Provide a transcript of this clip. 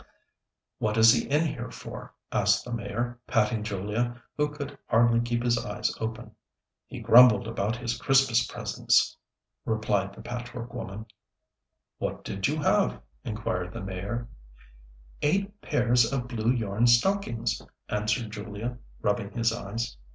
"What is he in here for?" asked the Mayor, patting Julia, who could hardly keep his eyes open. [Illustration: THE GRANDMOTHERS ENJOY THE CHINESE TOYS.] "He grumbled about his Christmas presents," replied the Patchwork Woman. "What did you have?" inquired the Mayor. "Eight pairs of blue yarn stockings," answered Julia, rubbing his eyes.